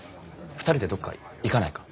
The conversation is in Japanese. ２人でどっか行かないか？